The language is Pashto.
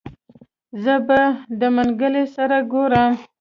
زه به د منګلي سره ګورم.